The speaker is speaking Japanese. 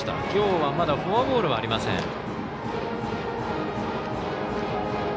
きょうはまだフォアボールありません。